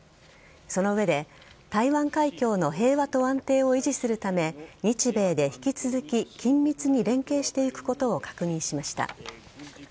その上で、台湾海峡の平和と安定を維持するため日米で引き続き緊密に連携していくことを確認しました。